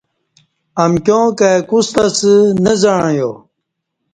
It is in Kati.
امکیاں کائی کوستہ اسہ نہ زعݩیا